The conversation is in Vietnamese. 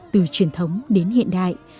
từ truyền thống đến hiện đại